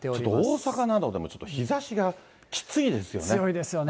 大阪でもちょっと日ざしがきついですよね。